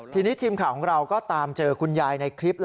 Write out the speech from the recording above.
ทีนี้ทีมข่าวของเราก็ตามเจอคุณยายในคลิป